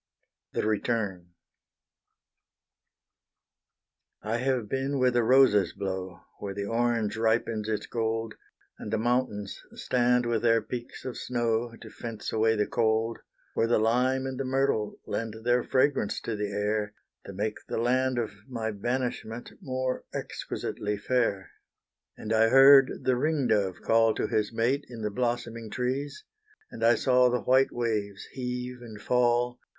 THE RETURN I have been where the roses blow, Where the orange ripens its gold, And the mountains stand with their peaks of snow, To fence away the cold, Where the lime and the myrtle lent Their fragrance to the air, To make the land of my banishment More exquisitely fair. And I heard the ring dove call To his mate in the blossoming trees, And I saw the white waves heave and fall.